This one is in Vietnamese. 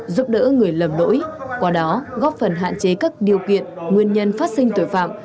giúp đỡ người lầm lỗi qua đó góp phần hạn chế các điều kiện nguyên nhân phát sinh tội phạm